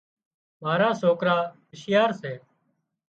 مارا سوڪرا هوشيار سي